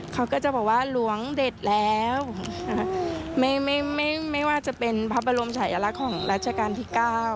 เขาก็จะบอกว่าหลวงเด็ดแล้วไม่ไม่ว่าจะเป็นพระบรมชายลักษณ์ของรัชกาลที่๙